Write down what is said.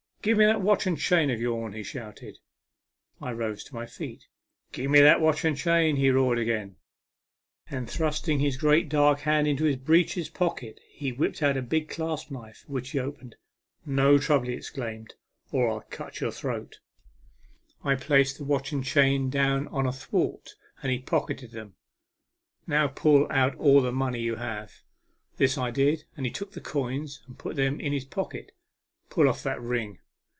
" Grive me that watch and chain of yourn !" he shouted. I rose to my feet. " Grive me that watch and chain," he roared again, and thrusting his great dark hand into his breeches pocket he whipped out a big clasp knife, which he opened. " No trouble," he exclaimed, " or I'll cut your throat." 86 A MEMORABLE SWIM. I placed the watch and chain down upon a thwart, and he pocketed them. " Now pull out all the money you have." This I did, and he took the coins and put them in his pocket. " Pull off that ring."